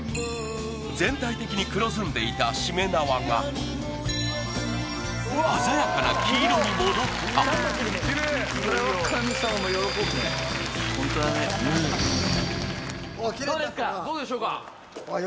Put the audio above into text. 全体的に黒ずんでいたしめ縄が鮮やかな黄色に戻ったホントだねどうでしょうか？